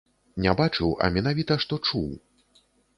Не бачыў, а менавіта што чуў.